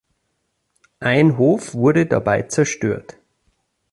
Ein Hof wurde dabei zerstört.